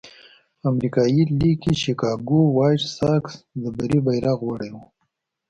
په امریکایي لېګ کې شکاګو وایټ ساکس د بري بیرغ وړی وو.